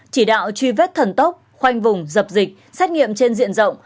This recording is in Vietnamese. chỉ đạo truy vết thần tốc khoanh vùng dập dịch xét nghiệm trên diện rộng